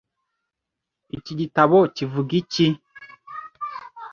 Iki gitabo kivuga iki?